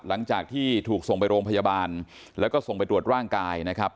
หลังจากที่ถูกส่งไปโรงพยาบาลแล้วก็ส่งไปตรวจร่างกายนะครับ